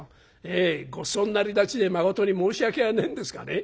ええごちそうになりだちでまことに申し訳がねえんですがね